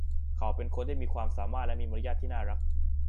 เขาเป็นคนที่มีความสามารถและมีมารยาทที่น่ารัก